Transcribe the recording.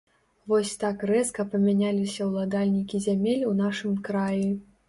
Вось так рэзка памяняліся ўладальнікі зямель у нашым краі.